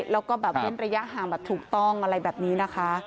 แล้วก็แบบเว้นระยะห่างแบบถูกต้องอะไรแบบนี้นะคะ